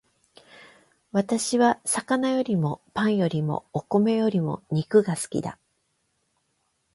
私は魚よりもパンよりもお米よりも肉が好きだ